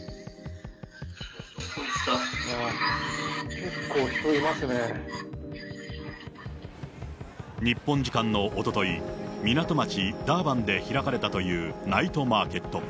結構、日本時間のおととい、港町、ダーバンで開かれたというナイトマーケット。